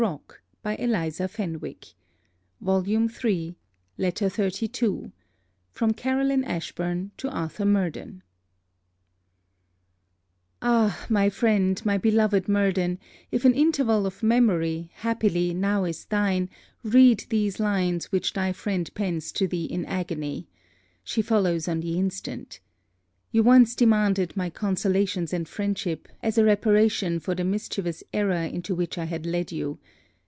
From Your ladyship's humble servant, MARY HOLMES LETTER XXXII FROM CAROLINE ASHBURN TO ARTHUR MURDEN Ah my friend, my beloved Murden, if an interval of memory, happily, now is thine, read these lines which thy friend pens to thee in agony. She follows on the instant. You once demanded my consolations and friendship, as a reparation for the mischievous error into which I had led you.